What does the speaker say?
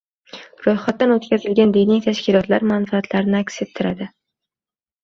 ro’yxatdan o’tkazilgan diniy tashkilotlar manfaatlarini aks ettiradi